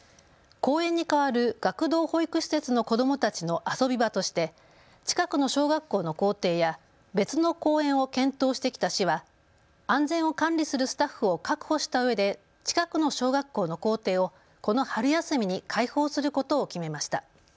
公園に代わる学童保育施設の子どもたちの遊び場として近くの小学校の校庭や別の公園を検討してきた市は安全を管理するスタッフを確保したうえで近くの小学校の校庭をこの春休みに開放することを決めました。